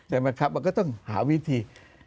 ครับมันก็ต้องหาวิธี